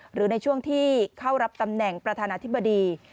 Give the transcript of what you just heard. หรือในช่วงที่เข้ารับตำแหน่งประธานาธิบดี